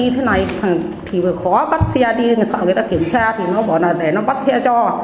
sợ người ta kiểm tra thì bảo là để nó bắt xe cho